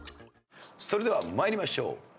それでは参りましょう。